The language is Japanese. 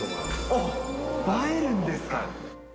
あっ、映えるんですか？